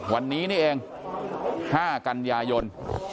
วันนี้นี่เอง๕กันยายน